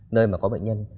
nơi mà có bệnh nhân